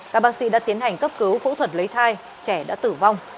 các bác sĩ đã tiến hành cấp cứu phẫu thuật lấy thai trẻ đã tử vong